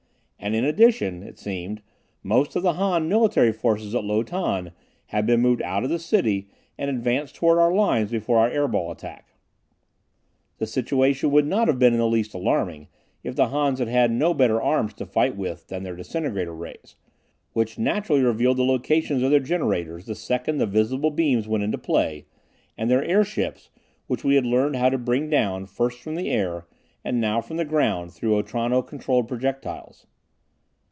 And in addition, it seemed, most of the Han military forces at Lo Tan had been moved out of the city and advanced toward our lines before our air ball attack. The situation would not have been in the least alarming if the Hans had had no better arms to fight with than their disintegrator rays, which naturally revealed the locations of their generators the second the visible beams went into play, and their airships, which we had learned how to bring down, first from the air, and now from the ground, through ultrono controlled projectiles.